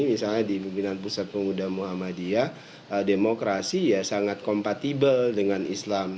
misalnya di pimpinan pusat pemuda muhammadiyah demokrasi ya sangat kompatibel dengan islam